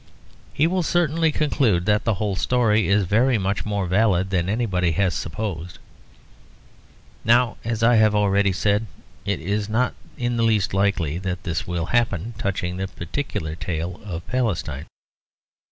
He will certainly conclude that the whole story is very much more valid than anybody has supposed. Now as I have already said, it is not in the least likely that this will happen touching this particular tale of Palestine.